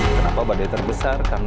kenapa badai terbesar